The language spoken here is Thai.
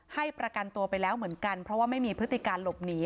ให้ประกันตัวไปแล้วเหมือนกันเพราะว่าไม่มีพฤติการหลบหนี